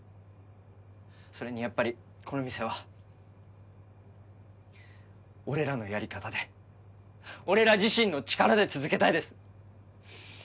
それにやっぱりこの店は俺らのやり方で俺ら自身の力で続けたいです